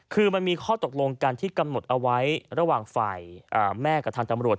คือมันมีข้อตกลงกันที่กำหนดเอาไว้ระหว่างฝ่ายแม่กับทางตำรวจ